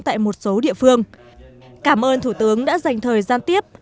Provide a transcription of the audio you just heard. tại một số địa phương cảm ơn thủ tướng đã dành thời gian tiếp